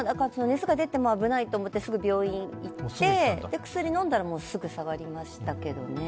熱が出て危ないと思って、すぐ病院に行って薬飲んだら、もうすぐ下がりましたけどね。